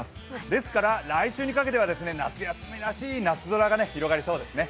ですから来週にかけては夏休みらしい夏空が広がりそうですね。